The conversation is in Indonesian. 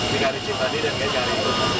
tiga hari cipadi dan gekari